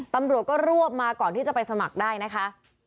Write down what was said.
ตำรวจก็รวบมาก่อนที่จะไปสมัครได้นะคะ